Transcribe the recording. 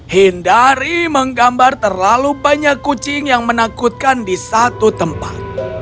hindari menggambar terlalu banyak kucing yang menakutkan di satu tempat